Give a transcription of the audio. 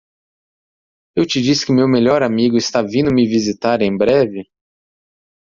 Eu te disse que meu melhor amigo está vindo me visitar em breve?